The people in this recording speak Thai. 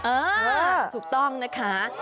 เออถูกต้องนะคะ